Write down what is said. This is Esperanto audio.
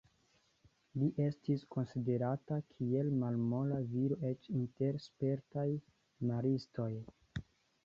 Li estis konsiderata kiel malmola viro eĉ inter spertaj maristoj.